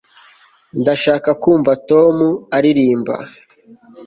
ndashaka kumva tom aririmba